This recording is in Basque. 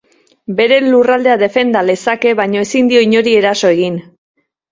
Bere lurraldea defenda lezake, baina ezin dio inori eraso egin.